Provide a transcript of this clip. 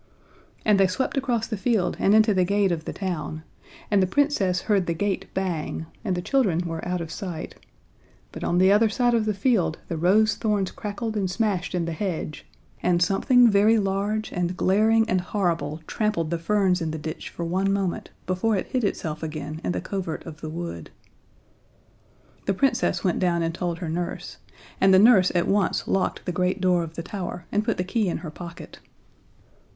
And they swept across the field and into the gate of the town, and the Princess heard the gate bang, and the children were out of sight but on the other side of the field the rose thorns crackled and smashed in the hedge, and something very large and glaring and horrible trampled the ferns in the ditch for one moment before it hid itself again in the covert of the wood. The Princess went down and told her nurse, and the nurse at once locked the great door of the tower and put the key in her pocket.